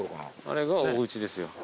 あれがおうちですよ。